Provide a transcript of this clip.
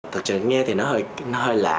thật sự nghe thì nó hơi lạ